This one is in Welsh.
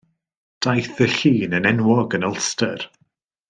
Daeth y llun yn enwog yn Ulster.